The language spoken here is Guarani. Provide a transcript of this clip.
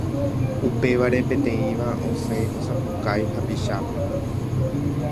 Upévare peteĩva osẽ osapukái hapichápe.